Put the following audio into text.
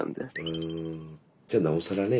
じゃなおさらね